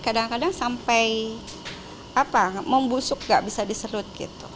kadang kadang sampai membusuk gak bisa diserut gitu